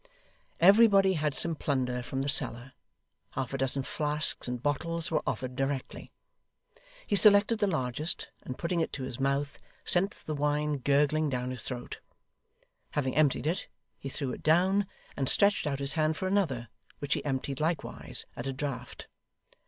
Everybody had some plunder from the cellar; half a dozen flasks and bottles were offered directly. He selected the largest, and putting it to his mouth, sent the wine gurgling down his throat. Having emptied it, he threw it down, and stretched out his hand for another, which he emptied likewise, at a draught.